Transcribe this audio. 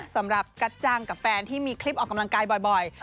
กับกัจจังกับแฟนที่มีคลิปออกกำลังกายบ่อย